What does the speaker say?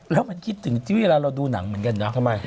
แล้วมันคิดถึงวิทยาละ๑๕๐๐วันเราดูหนังเหมือนกันนะ